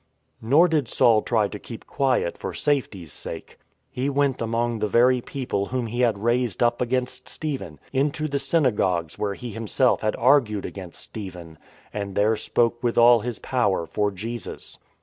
^ Nor did Saul try to keep quiet for safety's sake. He went among the very people whom he had raised up against Stephen; into the synagogues where he himself had argued against Stephen, and there spoke with all his power for Jesus.